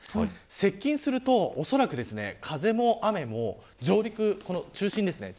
接近するとおそらく風も雨も上陸の中心